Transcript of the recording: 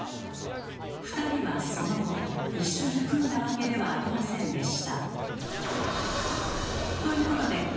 ２人はその後一緒に組んだわけではありませんでした。